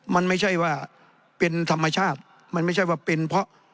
มันไม่ใช่ว่าเป็นธรรมชาติมันไม่ใช่ว่าเป็นเพราะ